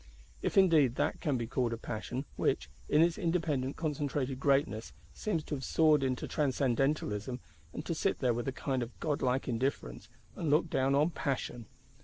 If indeed that can be called a passion, which, in its independent concentrated greatness, seems to have soared into transcendentalism; and to sit there with a kind of godlike indifference, and look down on passion!